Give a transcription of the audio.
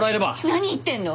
何言ってるの？